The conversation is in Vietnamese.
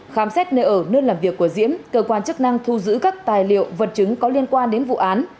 khám xét nơi ở nơi làm việc của diễm cơ quan chức năng thu giữ các tài liệu vật chứng có liên quan đến vụ án